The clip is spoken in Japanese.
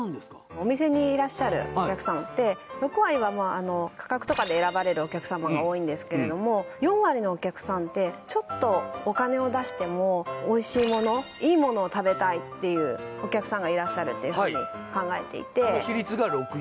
お店にいらっしゃるお客様って６割はまあ価格とかで選ばれるお客様が多いんですけれども４割のお客さんってちょっとお金を出してもおいしいものいいものを食べたいっていうお客さんがいらっしゃるっていうふうに考えていてその比率が６４？